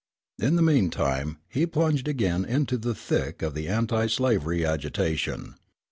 In the mean time he plunged again into the thick of the anti slavery agitation.